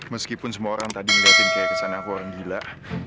meskipun semua orang tadi ngeliatin kayak kesan aku orang gila